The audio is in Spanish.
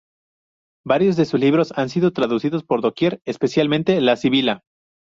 Varios de sus libros han sido traducidos por doquier, especialmente "La sibila".